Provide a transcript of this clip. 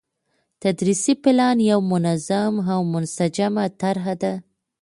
تدريسي پلان يو منظم او منسجمه طرحه ده،